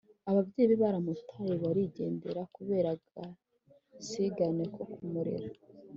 ababyeyi be baramutaye barigendera kubera agasigane ko kumurera